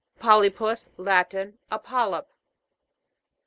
PO'LYPUS. Latin. A polyp.